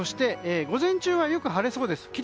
午前中はよく晴れそうです。